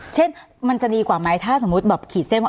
เช่นมันจะดีกว่าไหมถ้าสมมุติแบบขีดเส้นว่า